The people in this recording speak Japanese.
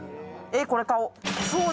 えっ、これ買おう。